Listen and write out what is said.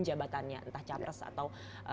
jabatannya entah capres atau